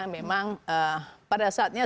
memang pada saatnya